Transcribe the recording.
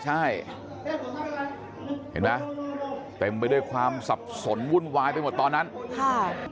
ใช่เห็นไหมเต็มไปด้วยความสับสนวุ่นวายไปหมดตอนนั้นค่ะ